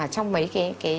trong mấy cái